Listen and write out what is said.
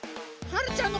はるちゃん！